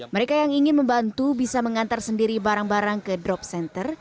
mereka yang ingin membantu bisa mengantar sendiri barang barang ke drop center